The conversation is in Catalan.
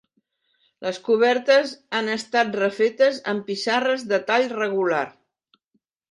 Les cobertes han estat refetes amb pissarra de tall regular.